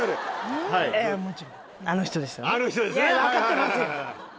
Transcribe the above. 分かってます。